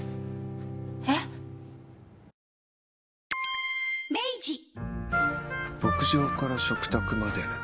えっ牧場から食卓まで。